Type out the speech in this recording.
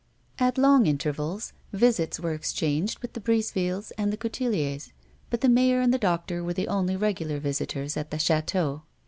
At long intervals visits were exchanged with the Brisevilles and the Couteliers, but the mayor and the doctor were the only regular visitors at the chateau.